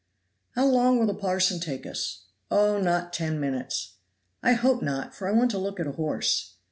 "How long will the parson take us?" "Oh! not ten minutes." "I hope not, for I want to look at a horse."